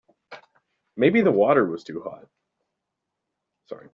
Maybe the water was too hot.